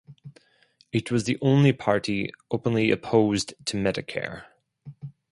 It was the only party openly opposed to Medicare.